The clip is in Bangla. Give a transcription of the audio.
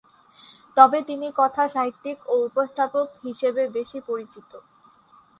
তবে তিনি কথাসাহিত্যিক ও উপস্থাপক হিসেবে বেশি পরিচিত।